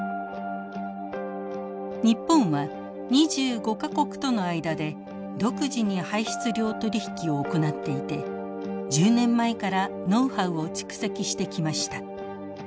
日本は２５か国との間で独自に排出量取引を行っていて１０年前からノウハウを蓄積してきました。